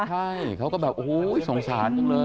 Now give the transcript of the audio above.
ใช่เขาก็แบบโอ้โหสงสารจังเลย